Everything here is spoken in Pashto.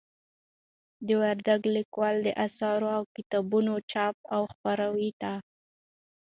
د وردگ ليكوالو د آثارو او كتابونو چاپ او خپراوي ته